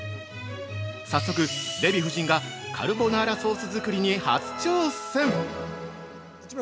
早速、デヴィ夫人がカルボナーラソース作りに初挑戦！